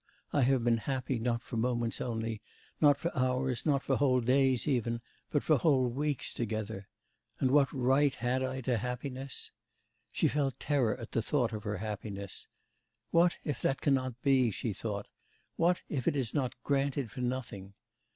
I have been happy not for moments only, not for hours, not for whole days even, but for whole weeks together. And what right had I to happiness?' She felt terror at the thought of her happiness. 'What, if that cannot be?' she thought. 'What, if it is not granted for nothing?